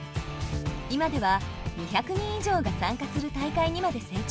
今では２００人以上が参加する大会にまで成長。